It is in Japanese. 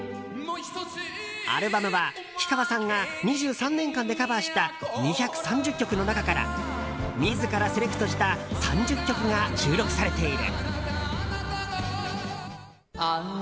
アルバムは氷川さんが２３年間でカバーした２３０曲の中から自らセレクトした３０曲が収録されている。